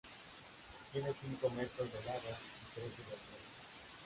Tiene cinco metros de lado y trece de altura.